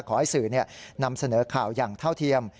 ขอให้สื่อนำเสนอข่าวอย่างเท่าเทียม